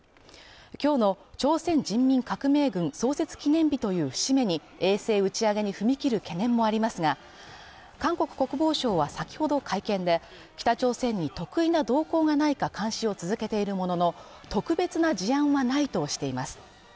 今日の朝鮮人民革命軍創設記念日という節目に、衛星打ち上げに踏み切る懸念もありますが、韓国国防省は先ほど会見で北朝鮮に特異な動向がないか監視を続けているものの特別な事案はないとしています。